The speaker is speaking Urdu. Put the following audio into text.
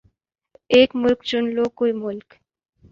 ایک مُلک چُن لو کوئی مُلک